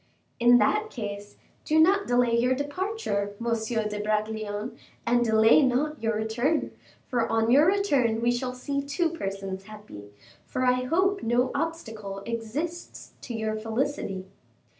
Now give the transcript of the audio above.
"In that case, do not delay your departure, Monsieur de Bragelonne, and delay not your return, for on your return we shall see two persons happy; for I hope no obstacle exists to your felicity."